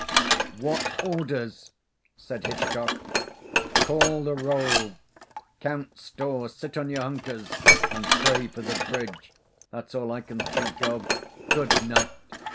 "What orders?" said Hitchcock. "Call the roll count stores sit on your hunkers and pray for the bridge. That's all I can think of Good night.